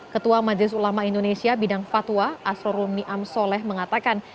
ketua majelis ulama indonesia bidang fatwa asroruni amsoleh mengatakan